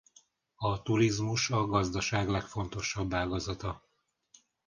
A turizmus a gazdaság legfontosabb ágazata.